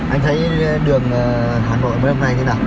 anh thấy đường hà nội mới hôm nay thế nào